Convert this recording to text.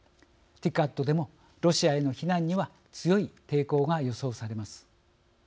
ＴＩＣＡＤでもロシアへの非難には強い抵抗が予想されます。